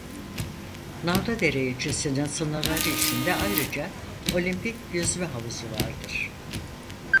Narlıdere ilçesinin sınırları içinde ayrıca olimpik yüzme havuzu vardır.